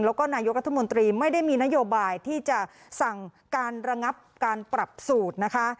แล้วก็นายกรัฐมนตรีไม่ได้มีนโยบายที่จะสั่งการระงับการปรับสูตรนะคะ